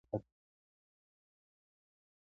د الله رضا په صداقت کي ده.